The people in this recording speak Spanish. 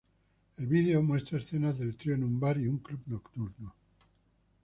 El vídeo muestra escenas del trío en un bar y un club nocturno.